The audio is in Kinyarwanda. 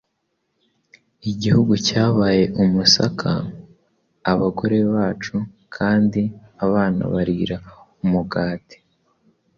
Igihugu cyabaye umusaka; abagore bacu Kandi abana barira umugati;